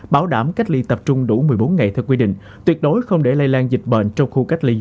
bảo đảm cách ly tập trung đủ một mươi bốn ngày theo quy định tuyệt đối không để lây lan dịch bệnh trong khu cách ly